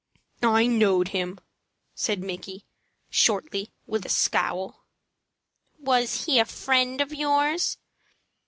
'" "I know'd him," said Micky, shortly, with a scowl. "Was he a friend of yours?"